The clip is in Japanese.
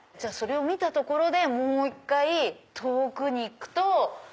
それを見たところでもう１回遠くに行くと。